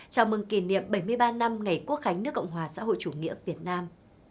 chào mừng kỷ niệm bảy mươi ba năm ngày quốc khánh nước cộng hòa xã hội chủ nghĩa việt nam